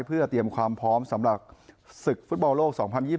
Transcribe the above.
เพื่อเตรียมความพร้อมสำหรับศึกฟุตบอลโลก๒๐๒๐